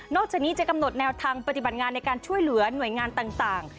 จากนี้จะกำหนดแนวทางปฏิบัติงานในการช่วยเหลือหน่วยงานต่าง